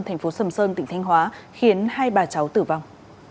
thành phố sầm sơn tỉnh thanh hóa khiến hai bà cháu tử vong